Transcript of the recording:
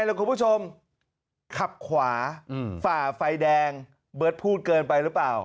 แล้วคุณผู้ชมขับขวาฝ่าไฟแดงเบิร์ตพูดเกินไปหรือเปล่า